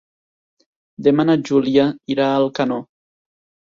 Demà na Júlia irà a Alcanó.